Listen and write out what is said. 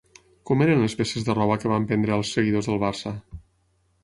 Com eren les peces de roba que van prendre als seguidors del Barça?